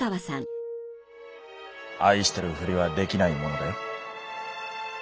「愛してるふりはできないものだよ」。